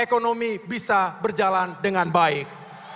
ekonomi bisa berjalan dengan baik